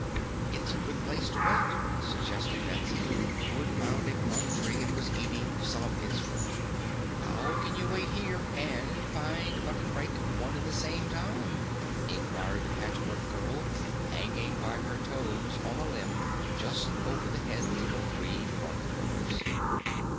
"It's a good place to wait," suggested Betsy, who had found a plum tree and was eating some of its fruit. "How can you wait here and find Button Bright at one and the same time?" inquired the Patchwork Girl, hanging by her toes on a limb just over the heads of the three mortal girls.